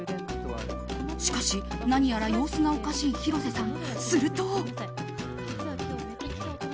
しかし何やら様子がおかしい広瀬さん。